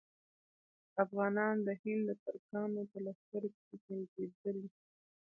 افغانان د هند د ترکانو په لښکرو کې جنګېدلي.